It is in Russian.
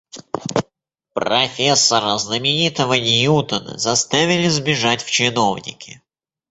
Профессора знаменитого Ньютона заставили сбежать в чиновники.